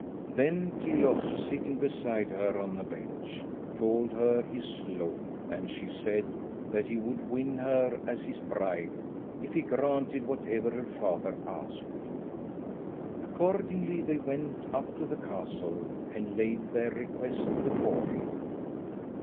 Then Kilhuch, sitting beside her on a bench, told her his love, and she said that he would win her as his bride if he granted whatever her father asked. Accordingly they went up to the castle and laid their request before him.